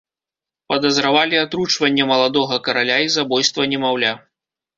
Падазравалі атручванне маладога караля і забойства немаўля.